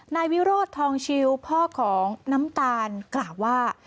นายวิโรธทองชิวพ่อของน้ำตาลกล่าวว่า